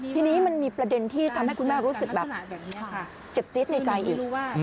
ทีนี้มันมีประเด็นที่ทำให้คุณแม่รู้สึกแบบเจ็บจี๊ดในใจอีก